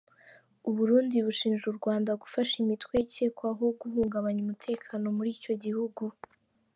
U Burundi bushinja u Rwanda gufasha imitwe ikekwaho guhungabanya umutekano muri icyo gihugu.